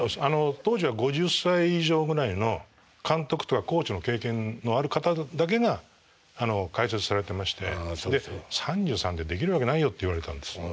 当時は５０歳以上ぐらいの監督とかコーチの経験のある方だけが解説されてまして３３でできるわけないよって言われたんです。